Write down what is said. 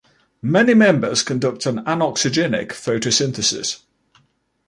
Many members conduct an anoxygenic photosynthesis.